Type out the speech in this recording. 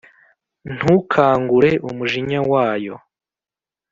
Ntukangure umujinya wayo